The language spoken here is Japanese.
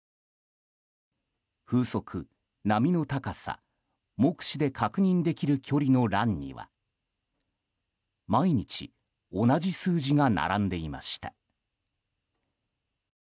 風速、波の高さ目視で確認できる距離の欄には毎日同じ数字が並んでいました。